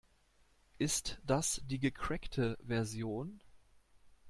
Ist das die gecrackte Version?